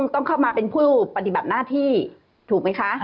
ต้องเข้ามาเป็นผู้ปฏิบัติหน้าที่ถูกไหมคะ